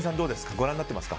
ご覧になってますか？